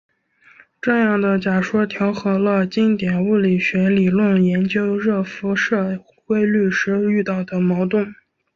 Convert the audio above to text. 这样的假说调和了经典物理学理论研究热辐射规律时遇到的矛盾。